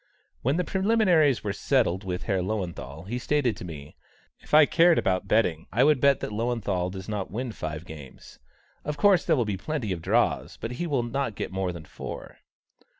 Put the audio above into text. When the preliminaries were settled with Herr Löwenthal, he stated to me: "If I cared about betting, I would bet that Löwenthal does not win five games. Of course there will be plenty of draws, but he will not get more than four."